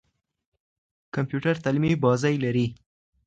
کمپيوټر تعليمي بازۍ لري.